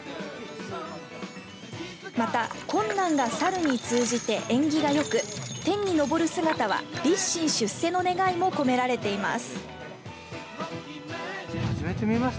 また困難が去るに通じて縁起がよく、天に上る姿は立身出世の願いも込められています。